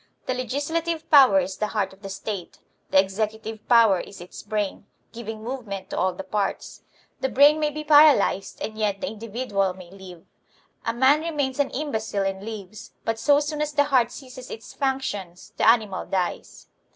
The legislative power is the heart of the State ; the executive power is its brain, giving movement to all the parts. The brain may be paralyzed and yet the individ ual may live. A man remains an imbecile and lives; but so soon as the heart ceases its functions, the animal dies.